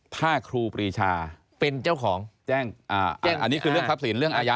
ถ้าครูปีชาแจ้งอ่าอันนี้คือเรื่องทรัพย์ศิลป์เรื่องอายัด